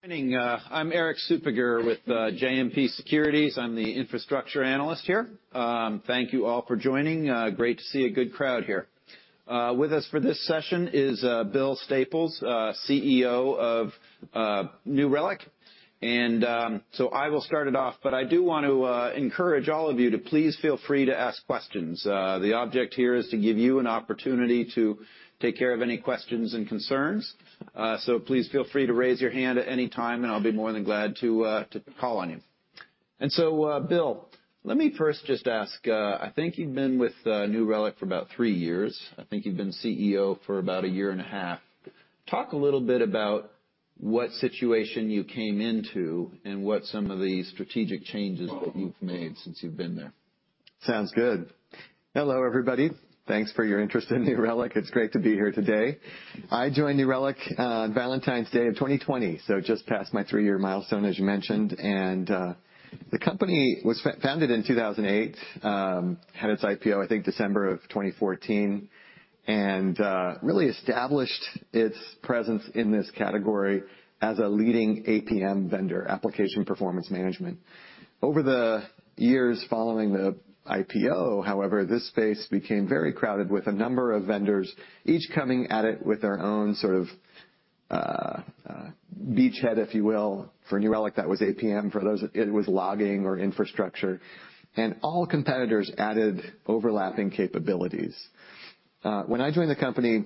Good evening. I'm Erik Suppiger with JMP Securities. I'm the Infrastructure Analyst here. Thank you all for joining. Great to see a good crowd here. With us for this session is Bill Staples, CEO of New Relic. I will start it off, but I do want to encourage all of you to please feel free to ask questions. The object here is to give you an opportunity to take care of any questions and concerns. Please feel free to raise your hand at any time, and I'll be more than glad to call on you. Bill, let me first just ask, I think you've been with New Relic for about three years. I think you've been CEO for about a year and a half. Talk a little bit about what situation you came into and what some of the strategic changes that you've made since you've been there. Sounds good. Hello, everybody. Thanks for your interest in New Relic. It's great to be here today. I joined New Relic on Valentine's Day of 2020, so just passed my three-year milestone, as you mentioned. The company was founded in 2008, had its IPO, I think, December of 2014, really established its presence in this category as a leading APM vendor, Application Performance Management. Over the years following the IPO, however, this space became very crowded with a number of vendors, each coming at it with their own sort of beachhead, if you will. For New Relic, that was APM. For those, it was logging or infrastructure. All competitors added overlapping capabilities. When I joined the company,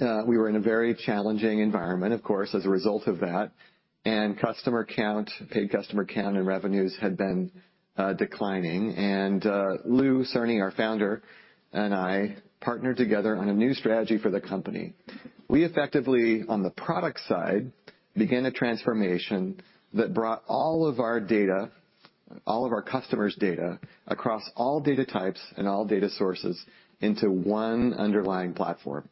we were in a very challenging environment, of course, as a result of that, and customer count, paid customer count and revenues had been declining. Lew Cirne, our Founder, and I partnered together on a new strategy for the company. We effectively, on the product side, began a transformation that brought all of our data, all of our customers' data across all data types and all data sources into one underlying platform.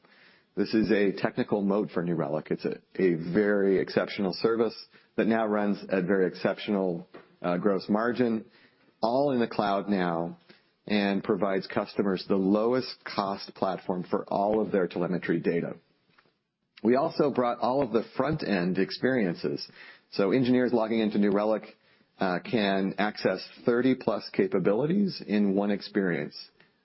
This is a technical moat for New Relic. It's a very exceptional service that now runs at very exceptional gross margin, all in the cloud now, and provides customers the lowest cost platform for all of their Telemetry data. We also brought all of the front-end experiences, so engineers logging into New Relic, can access 30+ capabilities in one experience.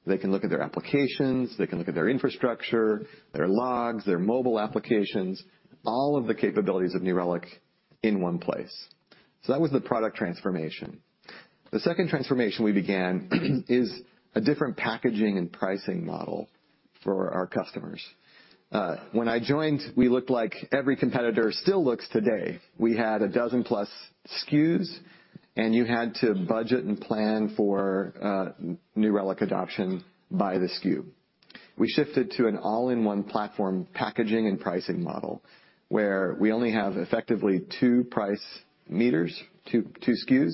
They can look at their applications, they can look at their infrastructure, their logs, their mobile applications, all of the capabilities of New Relic in one place. That was the product transformation. The second transformation we began is a different packaging and pricing model for our customers. When I joined, we looked like every competitor still looks today. We had a dozen-plus SKUs, and you had to budget and plan for New Relic adoption by the SKU. We shifted to an all-in-one platform packaging and pricing model, where we only have effectively two price meters, two SKUs,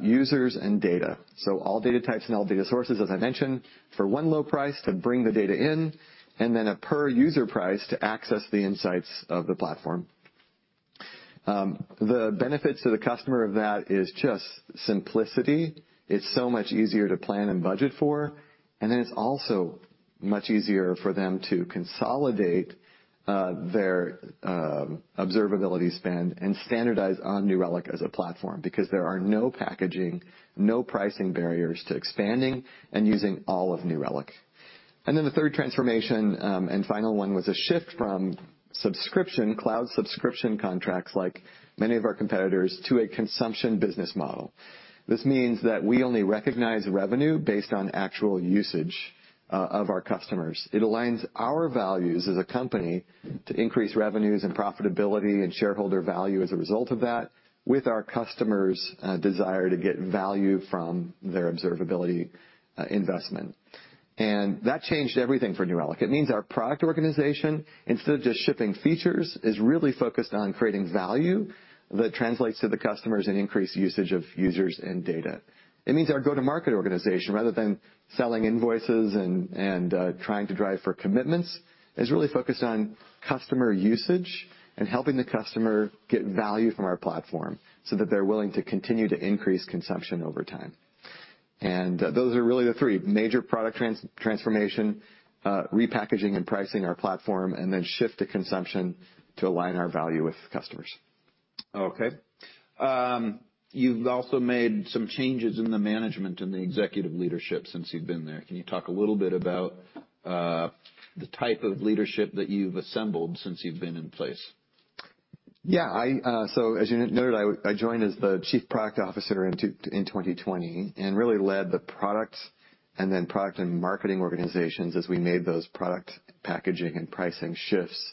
users and data. All data types and all data sources, as I mentioned, for one low price to bring the data in, and then a per user price to access the insights of the platform. The benefits to the customer of that is just simplicity. It's so much easier to plan and budget for. It's also much easier for them to consolidate their observability spend and standardize on New Relic as a platform because there are no packaging, no pricing barriers to expanding and using all of New Relic. The third transformation, and final one was a shift from subscription, cloud subscription contracts, like many of our competitors, to a consumption business model. This means that we only recognize revenue based on actual usage of our customers. It aligns our values as a company to increase revenues and profitability and shareholder value as a result of that with our customers' desire to get value from their observability investment. That changed everything for New Relic. It means our product organization, instead of just shipping features, is really focused on creating value that translates to the customers in increased usage of users and data. It means our go-to-market organization, rather than selling invoices and trying to drive for commitments, is really focused on customer usage and helping the customer get value from our platform so that they're willing to continue to increase consumption over time. Those are really the three major product transformation, repackaging and pricing our platform, and then shift to consumption to align our value with customers. Okay. You've also made some changes in the management and the executive leadership since you've been there. Can you talk a little bit about the type of leadership that you've assembled since you've been in place? Yeah. I, so as you noted, I joined as the Chief Product Officer in 2020 and really led the Products and then product and marketing organizations as we made those product packaging and pricing shifts.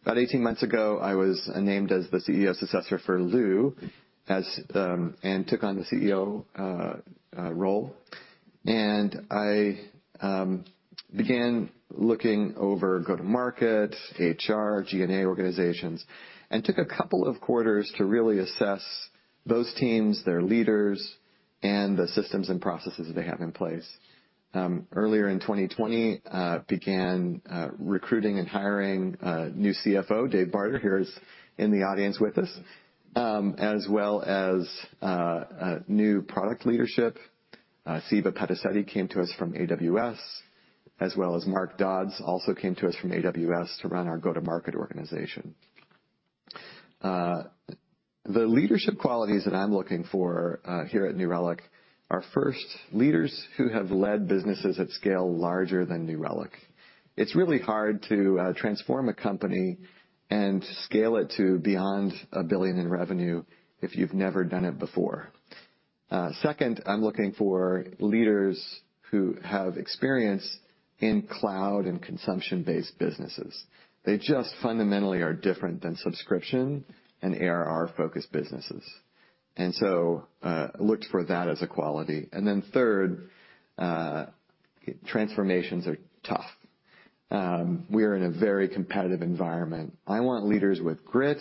About 18 months ago, I was named as the CEO successor for Lew as, and took on the CEO role. I began looking over go-to-market, HR, G&A organizations, and took a couple of quarters to really assess those teams, their leaders, and the systems and processes they have in place. Earlier in 2020, began recruiting and hiring a new CFO, David Barter, here is in the audience with us, as well as a new product leadership. Siva Padisetty came to us from AWS, as well as Mark Dodds also came to us from AWS to run our go-to-market organization. The leadership qualities that I'm looking for here at New Relic are first, leaders who have led businesses at scale larger than New Relic. It's really hard to transform a company and scale it to beyond $1 billion in revenue if you've never done it before. Second, I'm looking for leaders who have experience in cloud and consumption-based businesses. They just fundamentally are different than subscription and ARR-focused businesses. Looked for that as a quality. Third, transformations are tough. We're in a very competitive environment. I want leaders with grit,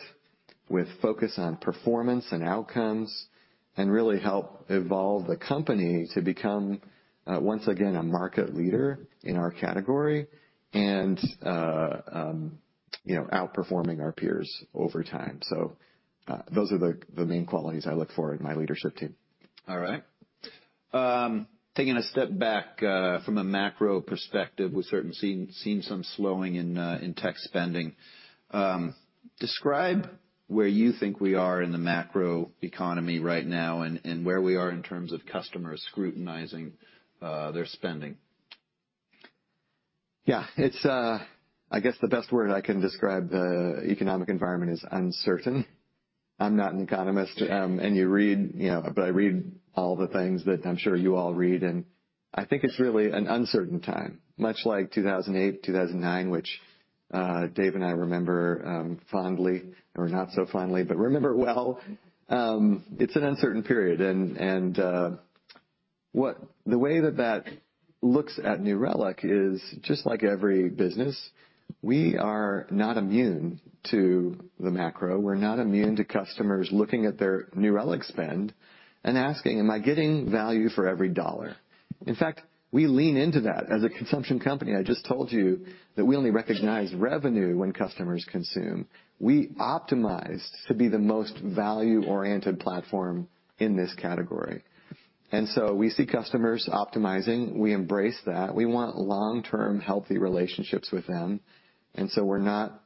with focus on performance and outcomes, and really help evolve the company to become once again, a market leader in our category and, you know, outperforming our peers over time. Those are the main qualities I look for in my leadership team. All right. Taking a step back, from a macro perspective, we've certainly seen some slowing in tech spending. Describe where you think we are in the macro economy right now and where we are in terms of customers scrutinizing, their spending. Yeah. It's, I guess the best word I can describe the economic environment is uncertain. I'm not an economist. You read, you know, but I read all the things that I'm sure you all read, and I think it's really an uncertain time, much like 2008, 2009, which, Dave and I remember, fondly or not so fondly, but remember well. It's an uncertain period. The way that looks at New Relic is just like every business, we are not immune to the macro. We're not immune to customers looking at their New Relic spend and asking, "Am I getting value for every dollar?" In fact, we lean into that. As a consumption company, I just told you that we only recognize revenue when customers consume. We optimize to be the most value-oriented platform in this category. We see customers optimizing. We embrace that. We want long-term healthy relationships with them. We're not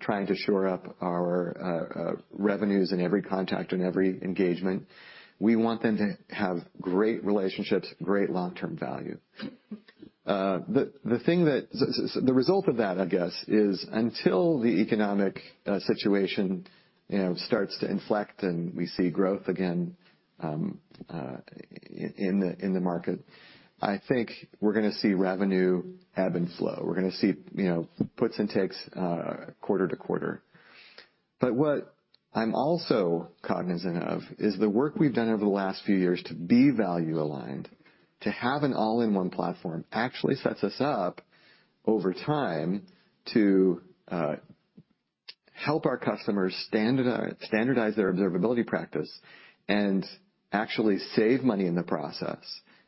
trying to shore up our revenues in every contact, in every engagement. We want them to have great relationships, great long-term value. So the result of that, I guess, is until the economic situation, you know, starts to inflect and we see growth again in the market, I think we're gonna see revenue ebb and flow. We're gonna see, you know, puts and takes quarter-to-quarter. What I'm also cognizant of is the work we've done over the last few years to be value-aligned, to have an all-in-one platform, actually sets us up over time to help our customers standardize their observability practice and actually save money in the process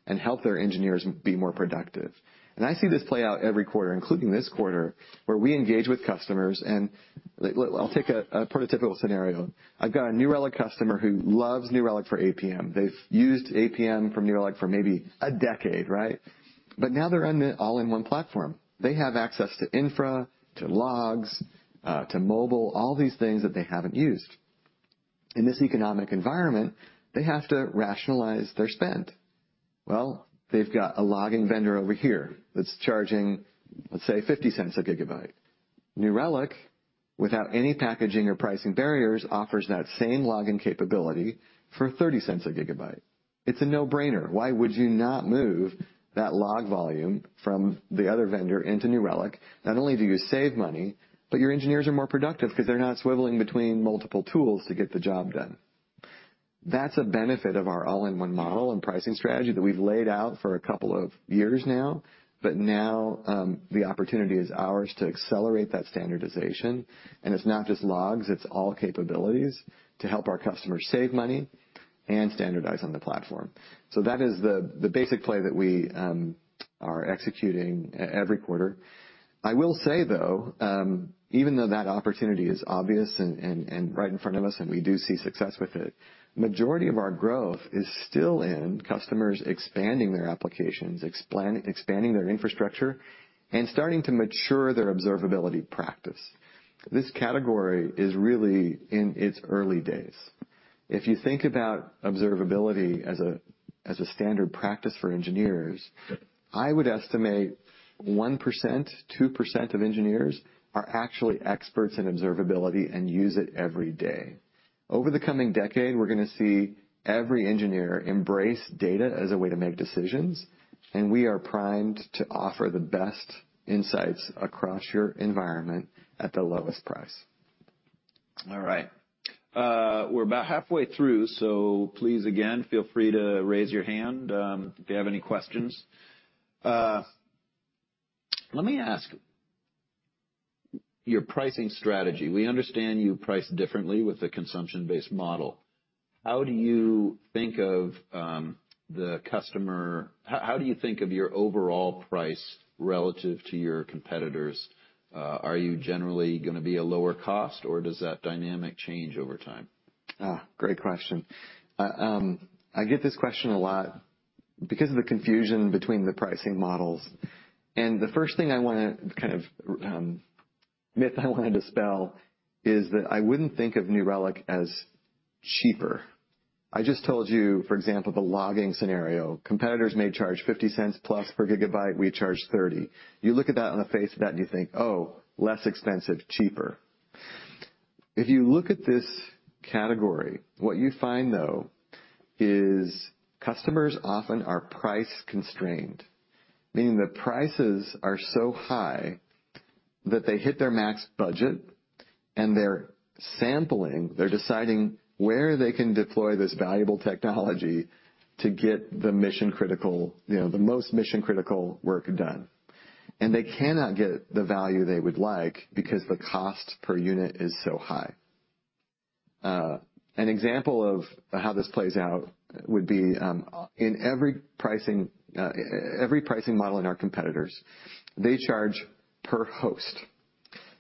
and help their engineers be more productive. I see this play out every quarter, including this quarter, where we engage with customers and I'll take a prototypical scenario. I've got a New Relic customer who loves New Relic for APM. They've used APM from New Relic for maybe a decade, right? Now they're on the all-in-one platform. They have access to infra, to logs, to mobile, all these things that they haven't used. In this economic environment, they have to rationalize their spend. Well, they've got a logging vendor over here that's charging, let's say, $0.50 a gigabyte. New Relic, without any packaging or pricing barriers, offers that same logging capability for $0.30 a gigabyte. It's a no-brainer. Why would you not move that log volume from the other vendor into New Relic? Not only do you save money, but your engineers are more productive 'cause they're not swiveling between multiple tools to get the job done. That's a benefit of our all-in-one model and pricing strategy that we've laid out for a couple of years now. Now, the opportunity is ours to accelerate that standardization. It's not just logs, it's all capabilities to help our customers save money and standardize on the platform. That is the basic play that we are executing every quarter. I will say, though, even though that opportunity is obvious and right in front of us and we do see success with it, majority of our growth is still in customers expanding their applications, expanding their infrastructure, and starting to mature their observability practice. This category is really in its early days. If you think about observability as a standard practice for engineers, I would estimate 1%, 2% of engineers are actually experts in observability and use it every day. Over the coming decade, we're gonna see every engineer embrace data as a way to make decisions, and we are primed to offer the best insights across your environment at the lowest price. All right. Please again, feel free to raise your hand, if you have any questions. Let me ask. Your pricing strategy, we understand you price differently with the consumption-based model. How do you think of your overall price relative to your competitors? Are you generally gonna be a lower cost, or does that dynamic change over time? Great question. I get this question a lot. Because of the confusion between the pricing models. The first thing I wanna kind of, myth I wanna dispel is that I wouldn't think of New Relic as cheaper. I just told you, for example, the logging scenario. Competitors may charge $0.50+ per gigabyte, we charge $0.30. You look at that on the face of that and you think, oh, less expensive, cheaper. If you look at this category, what you find though is customers often are price constrained, meaning the prices are so high that they hit their max budget and they're sampling, they're deciding where they can deploy this valuable technology to get the mission critical, you know, the most mission critical work done. They cannot get the value they would like because the cost per unit is so high. An example of how this plays out would be, in every pricing model in our competitors, they charge per host.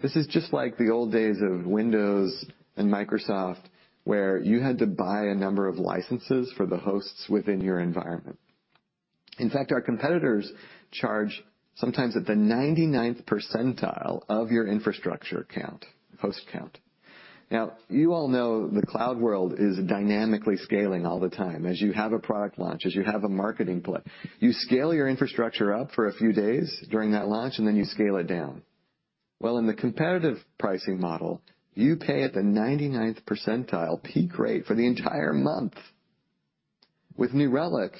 This is just like the old days of Windows and Microsoft, where you had to buy a number of licenses for the hosts within your environment. In fact, our competitors charge sometimes at the 99th percentile of your infrastructure count, host count. You all know the cloud world is dynamically scaling all the time. As you have a product launch, as you have a marketing play, you scale your infrastructure up for a few days during that launch, and then you scale it down. Well, in the competitive pricing model, you pay at the 99th percentile peak rate for the entire month. With New Relic,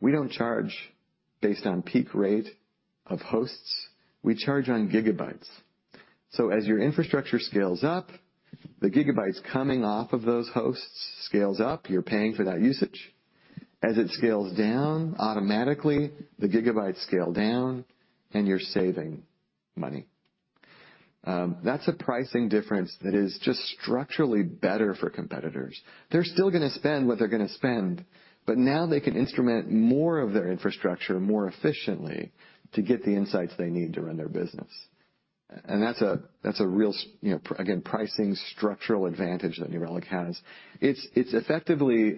we don't charge based on peak rate of hosts, we charge on gigabytes. As your infrastructure scales up, the gigabytes coming off of those hosts scales up, you're paying for that usage. As it scales down, automatically, the gigabytes scale down and you're saving money. That's a pricing difference that is just structurally better for competitors. They're still gonna spend what they're gonna spend, but now they can instrument more of their infrastructure more efficiently to get the insights they need to run their business. That's a, that's a real, you know, again, Pricing Structural advantage that New Relic has. It's, it's effectively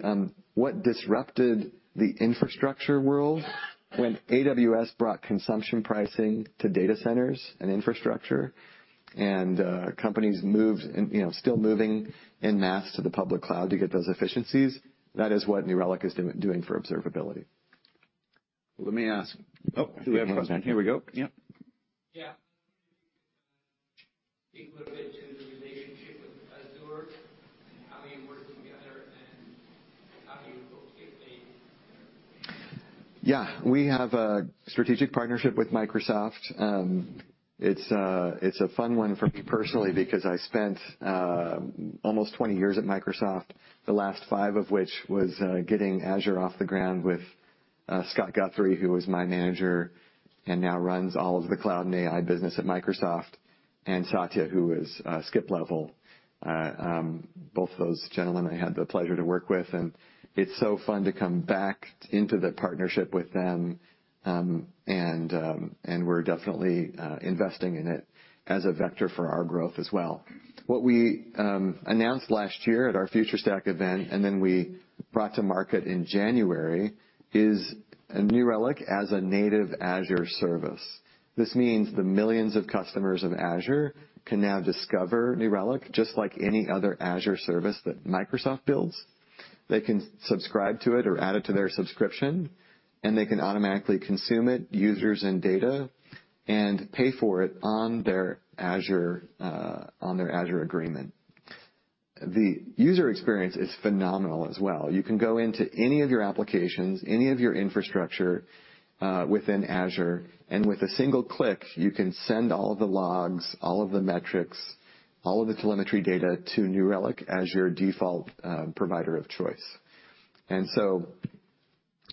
what disrupted the infrastructure world when AWS brought consumption pricing to data centers and infrastructure, and companies moved and, you know, still moving en masse to the public cloud to get those efficiencies. That is what New Relic is doing for observability. Let me ask. Do we have a question? Here we go. Yep. Yeah. Can you speak a little bit to the relationship with Azure and how you work together and how you hope to get the, you know... Yeah. We have a strategic partnership with Microsoft. It's a, it's a fun one for me personally, because I spent almost 20 years at Microsoft, the last five of which was getting Azure off the ground with Scott Guthrie, who was my manager and now runs all of the cloud and AI business at Microsoft, and Satya, who is skip level. Both those gentlemen I had the pleasure to work with, it's so fun to come back into the partnership with them. We're definitely investing in it as a vector for our growth as well. What we announced last year at our FutureStack event, and then we brought to market in January, is New Relic as a native Azure service. This means the millions of customers of Azure can now discover New Relic just like any other Azure service that Microsoft builds. They can subscribe to it or add it to their subscription, and they can automatically consume it, users and data, pay for it on their Azure agreement. The user experience is phenomenal as well. You can go into any of your applications, any of your infrastructure within Azure, and with a single click, you can send all the logs, all of the metrics, all of the Telemetry data to New Relic as your default provider of choice.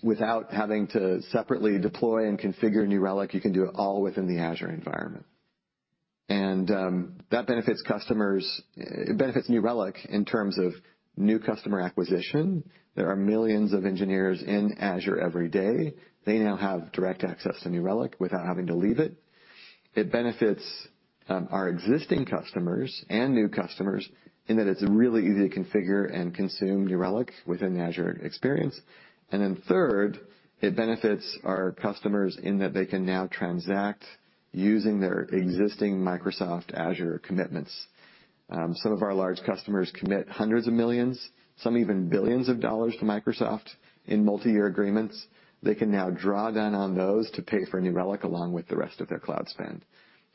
Without having to separately deploy and configure New Relic, you can do it all within the Azure environment. That benefits customers, it benefits New Relic in terms of new customer acquisition. There are millions of engineers in Azure every day. They now have direct access to New Relic without having to leave it. It benefits our existing customers and new customers in that it's really easy to configure and consume New Relic within Azure experience. Third, it benefits our customers in that they can now transact using their existing Microsoft Azure commitments. Some of our large customers commit 100s of millions, some even billions of dollars to Microsoft in multi-year agreements. They can now draw down on those to pay for New Relic along with the rest of their cloud spend,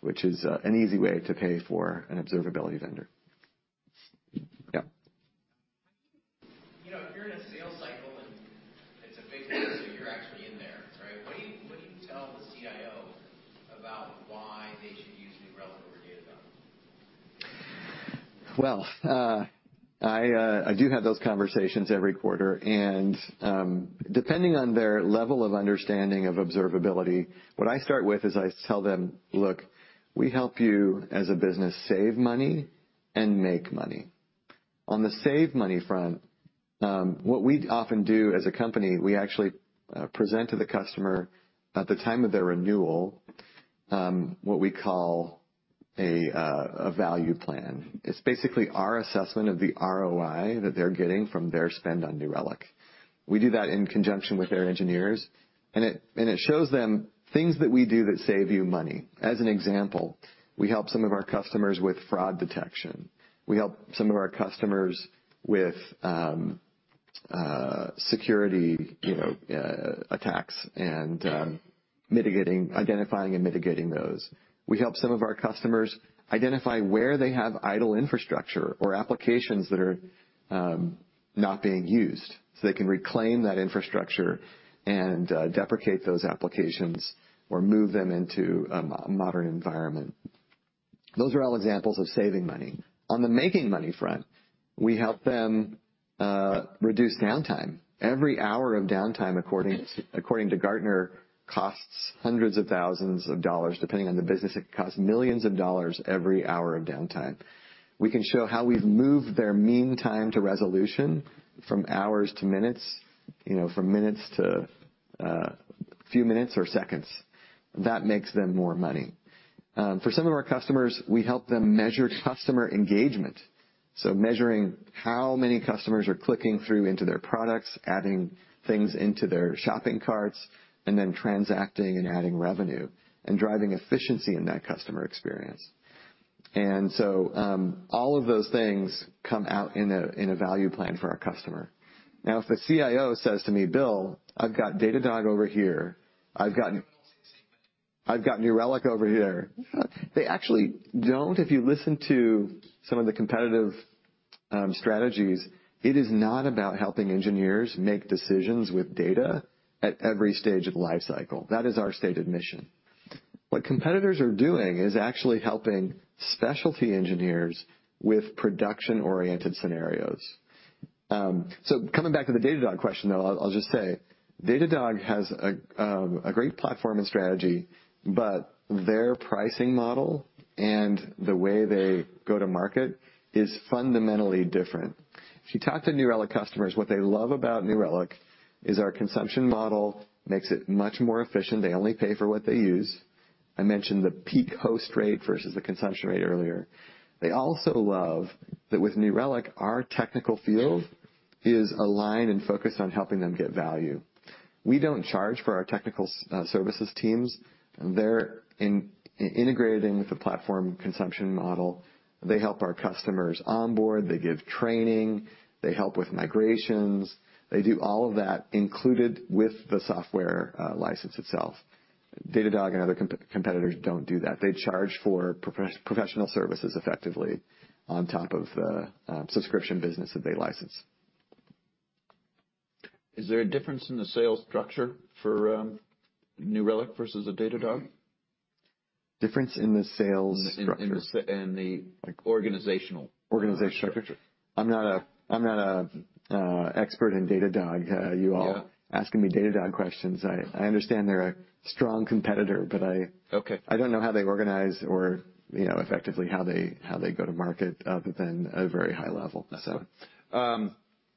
which is an easy way to pay for an observability vendor. Yeah. You know, if you're in a sales cycle and it's a big deal, so you're actually in there, right? What do you, what do you tell the CIO about why they should use New Relic over Datadog? I do have those conversations every quarter. Depending on their level of understanding of observability, what I start with is I tell them, "Look, we help you as a business save money and make money." On the save money front, what we often do as a company, we actually present to the customer at the time of their renewal, what we call a value plan. It's basically our assessment of the ROI that they're getting from their spend on New Relic. We do that in conjunction with their engineers, it shows them things that we do that save you money. As an example, we help some of our customers with fraud detection. We help some of our customers with security, you know, attacks and, identifying and mitigating those. We help some of our customers identify where they have idle infrastructure or applications that are not being used, so they can reclaim that infrastructure and deprecate those applications or move them into a modern environment. Those are all examples of saving money. On the making money front, we help them reduce downtime. Every hour of downtime, according to Gartner, costs 100s of 1,000s of dollars. Depending on the business, it costs millions of dollars every hour of downtime. We can show how we've moved their mean time to resolution from hours to minutes, you know, from minutes to few minutes or seconds. That makes them more money. For some of our customers, we help them measure customer engagement, so measuring how many customers are clicking through into their products, adding things into their shopping carts, and then transacting and adding revenue and driving efficiency in that customer experience. All of those things come out in a, in a value plan for our customer. Now, if the CIO says to me, "Bill, I've got Datadog over here. I've got New Relic over here," they actually don't... If you listen to some of the competitive strategies, it is not about helping engineers make decisions with data at every stage of the lifecycle. That is our stated mission. What competitors are doing is actually helping specialty engineers with production-oriented scenarios. Coming back to the Datadog question, though, I'll just say Datadog has a great platform and strategy, but their pricing model and the way they go to market is fundamentally different. If you talk to New Relic customers, what they love about New Relic is our consumption model makes it much more efficient. They only pay for what they use. I mentioned the peak host rate vs the consumption rate earlier. They also love that with New Relic, our technical field is aligned and focused on helping them get value. We don't charge for our technical services teams. They're integrated in with the platform consumption model. They help our customers onboard, they give training, they help with migrations. They do all of that included with the software license itself. Datadog and other competitors don't do that. They charge for professional services effectively on top of the subscription business that they license. Is there a difference in the sales structure for New Relic vs a Datadog? Difference in the sales structure? In the organizational- Organizational Structure. I'm not a expert in Datadog. Yeah. You all asking me Datadog questions. I understand they're a strong competitor. Okay... I don't know how they organize or, you know, effectively how they, how they go to market other than a very high level.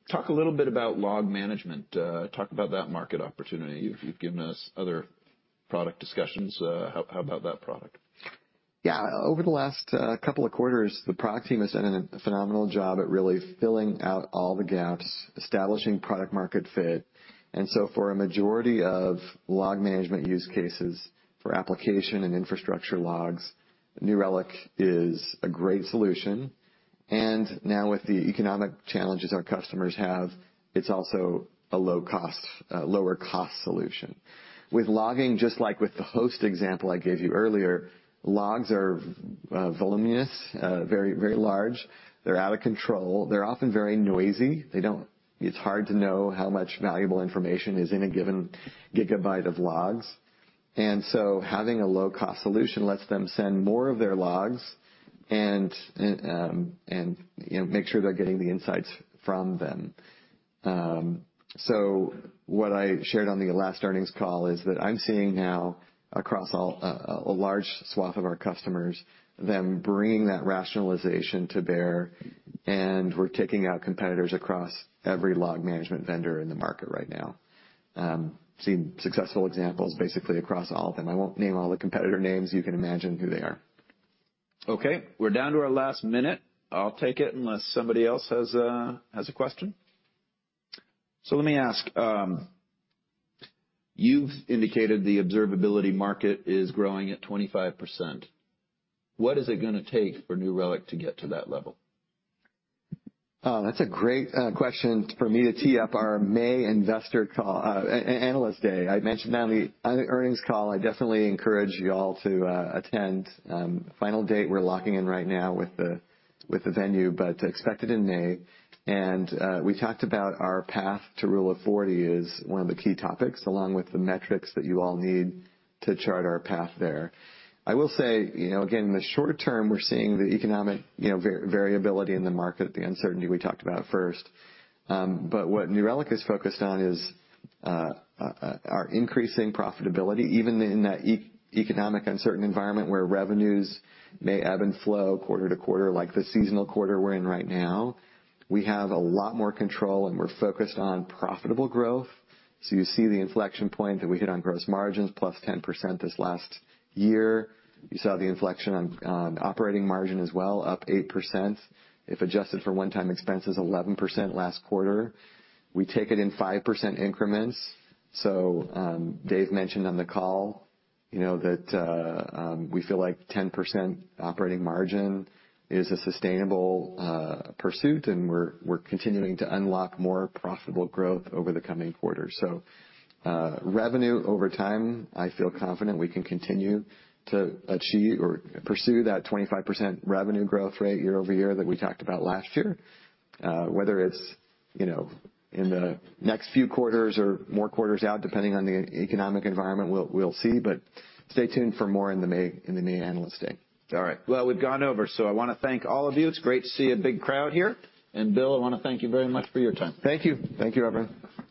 Talk a little bit about log management. Talk about that market opportunity. You've given us other product discussions. How about that product? Yeah. Over the last couple of quarters, the product team has done a phenomenal job at really filling out all the gaps, establishing product market fit. For a majority of log management use cases for application and infrastructure logs, New Relic is a great solution. Now with the economic challenges our customers have, it's also a lower cost solution. With logging, just like with the host example I gave you earlier, logs are voluminous, very large. They're out of control. They're often very noisy. It's hard to know how much valuable information is in a given gigabyte of logs. Having a low-cost solution lets them send more of their logs and, you know, make sure they're getting the insights from them. What I shared on the last earnings call is that I'm seeing now across all, a large swath of our customers, them bringing that rationalization to bear, and we're taking out competitors across every log management vendor in the market right now. Seeing successful examples basically across all of them. I won't name all the competitor names. You can imagine who they are. Okay. We're down to our last minute. I'll take it unless somebody else has a, has a question. Let me ask, you've indicated the observability market is growing at 25%. What is it gonna take for New Relic to get to that level? That's a great question for me to tee up our May investor call, analyst day. I mentioned on the earnings call, I definitely encourage you all to attend. Final date, we're locking in right now with the venue, expect it in May. We talked about our path to Rule of 40 is one of the key topics, along with the metrics that you all need to chart our path there. I will say, you know, again, in the short term, we're seeing the economic, you know, variability in the market, the uncertainty we talked about first. What New Relic is focused on is our increasing profitability, even in that economic uncertain environment where revenues may ebb and flow quarter to quarter like the seasonal quarter we're in right now. We have a lot more control, and we're focused on profitable growth. You see the inflection point that we hit on gross margins, +10% this last year. You saw the inflection on operating margin as well, up 8%. If adjusted for one-time expenses, 11% last quarter. We take it in 5% increments. Dave mentioned on the call, you know, that we feel like 10% operating margin is a sustainable pursuit, and we're continuing to unlock more profitable growth over the coming quarters. Revenue over time, I feel confident we can continue to achieve or pursue that 25% revenue growth rate year-over-year that we talked about last year. Whether it's, you know, in the next few quarters or more quarters out, depending on the economic environment, we'll see. Stay tuned for more in the May analyst day. All right. Well, we've gone over. I want to thank all of you. It's great to see a big crowd here. Bill, I want to thank you very much for your time. Thank you. Thank you, everyone.